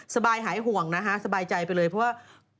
หายห่วงนะคะสบายใจไปเลยเพราะว่า